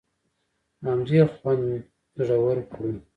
همدې خوند زړور کړو.